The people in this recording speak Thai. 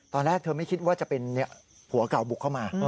ตอนแรกเธอไม่คิดว่าจะเป็นผัวเก่าบุกเข้ามา